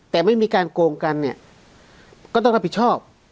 แต่ไม่มีการโกงกันเนี่ยก็ต้องรับผิดชอบ